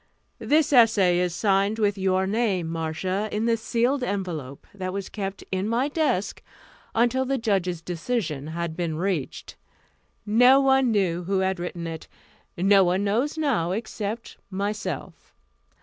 "This essay is signed with your name, Marcia, in the sealed envelope that was kept in my desk until the judges' decision had been reached. No one knew who had written it. No one knows now, except myself.